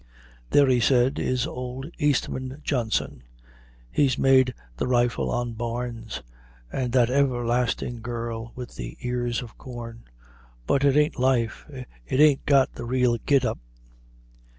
"There," he said, "is old Eastman Johnson; he's made the riffle on barns, and that everlasting girl with the ears of corn; but it ain't life, it ain't got the real git up.